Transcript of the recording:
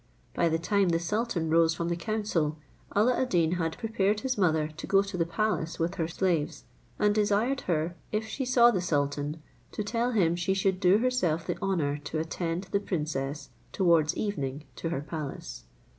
By the time the sultan rose from the council, Alla ad Deen had prepared his mother to go to the palace with her slaves, and desired her, if she saw the sultan, to tell him she should do herself the honour to attend the princess towards evening to her palace.